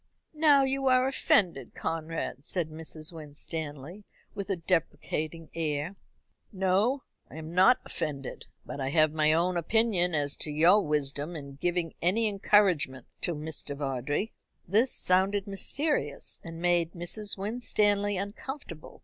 "Now you are offended, Conrad," said Mrs. Winstanley, with a deprecating air. "No, I am not offended; but I have my own opinion as to your wisdom in giving any encouragement to Mr. Vawdrey." This sounded mysterious, and made Mrs. Winstanley uncomfortable.